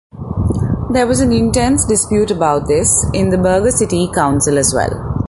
There was an intense dispute about this in the Burger city council as well.